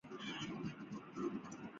为东西主要通道。